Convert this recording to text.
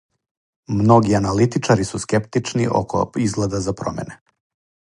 Многи аналитичари су скептични око изгледа за промене.